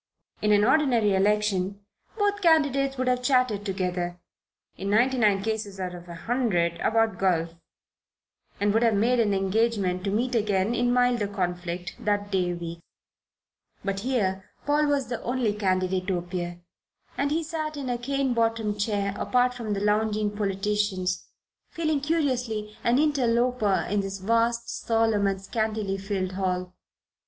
In an ordinary election both candidates would have chatted together, in ninety nine cases out of a hundred about golf, and would have made an engagement to meet again in milder conflict that day week. But here Paul was the only candidate to appear, and he sat in a cane bottomed chair apart from the lounging politicians, feeling curiously an interloper in this vast, solemn and scantily filled hall.